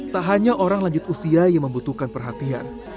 tak hanya orang lanjut usia yang membutuhkan perhatian